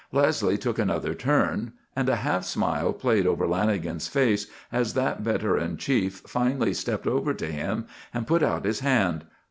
Leslie took another turn and a half smile played over Lanagan's face as that veteran Chief finally stepped over to him and put out his hand.